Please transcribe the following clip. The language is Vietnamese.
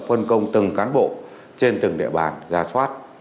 phân công từng cán bộ trên từng địa bàn ra soát